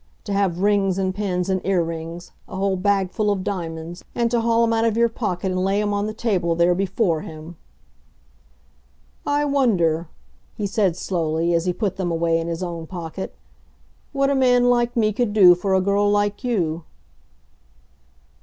To have rings and pins and ear rings, a whole bagful of diamonds, and to haul 'em out of your pocket and lay 'em on the table there before him! "I wonder," he said slowly, as he put them away in his own pocket, "what a man like me could do for a girl like you?"